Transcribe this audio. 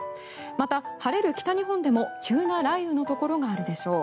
また、晴れる北日本でも急な雷雨のところがあるでしょう。